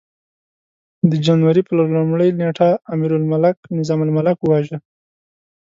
د جنوري پر لومړۍ نېټه امیرالملک نظام الملک وواژه.